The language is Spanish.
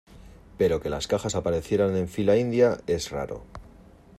pero que las cajas aparecieran en fila india es raro.